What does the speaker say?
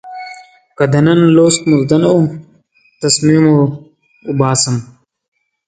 که د نن لوست مو زده نه و، تسمې مو اوباسم.